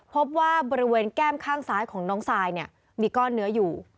พบว่าบริเวณแก้มข้างซ้ายของน้องซายมีก้อนเนื้ออยู่